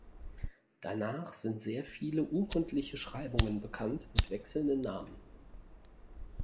Danach sind sehr viele urkundliche Schreibungen bekannt mit wechselnden Namen.